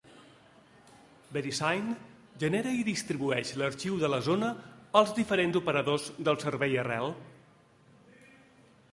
VeriSign genera i distribueix l'arxiu de la zona als diferents operadors del servei arrel.